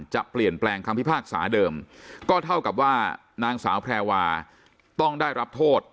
จะเปลี่ยนแปลงคำพิพากษาเดิมก็เท่ากับว่านางสาวแพรวาต้องได้รับโทษ